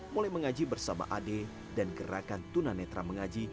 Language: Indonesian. mulai mengaji bersama adik dan gerakan tuan anadra mengaji